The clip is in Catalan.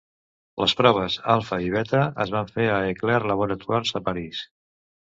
Les proves alfa i beta es van fer a Eclair Laboratoires a París.